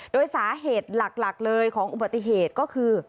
โดยสาเหตุหลักเลยของอุบัติเหตุก็คือ